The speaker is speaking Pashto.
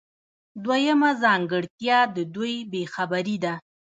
دویمه ځانګړتیا د دوی بې خبري ده.